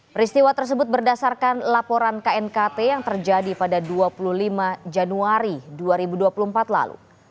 peristiwa tersebut berdasarkan laporan knkt yang terjadi pada dua puluh lima januari dua ribu dua puluh empat lalu